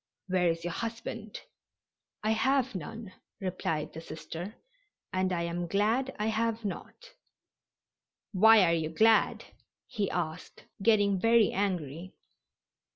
"Where is your husband?" "I have none," replied the Sister, "and I am glad I have not." "Why are you glad?" he asked, getting very angry.